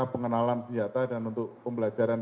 pengenalan senjata dan untuk pembelajaran